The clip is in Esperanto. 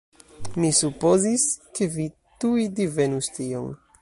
Mi supozis, ke vi tuj divenus tion.